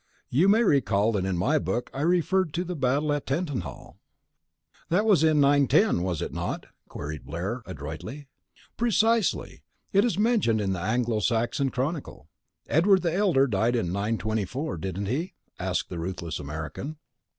You may recall that in my book I referred to the battle at Tettenhall " "That was in 910, was it not?" queried Blair, adroitly. "Precisely. It is mentioned in the Anglo Saxon Chronicle." "Edward the Elder died in 924, didn't he?" asked the ruthless American.